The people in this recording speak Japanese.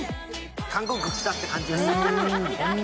韓国来たって感じがするね。